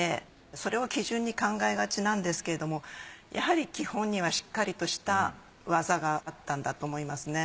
それを基準に考えがちなんですけれどもやはり基本にはしっかりとした技があったんだと思いますね。